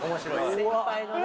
先輩のね。